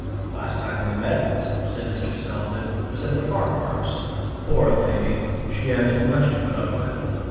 "Last time we met," said Mr. Salvin, "was at the Farquhars. Poor lady! She has much to put up with."